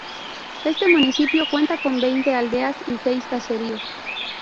Este municipio cuenta con veinte aldeas y seis caseríos.